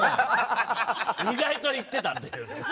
意外といってたっていう。